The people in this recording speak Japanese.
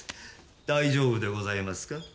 大丈夫でございますか？